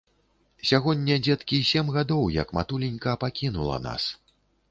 Сягоння, дзеткі, сем гадоў, як матуленька пакінула нас.